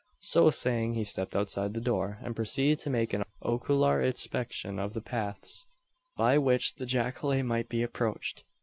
So saying, he stepped outside the door; and proceeded to make an ocular inspection of the paths by which the jacale might be approached.